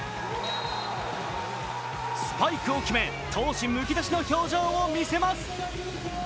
スパイクを決め、闘志むき出しの表情を見せます。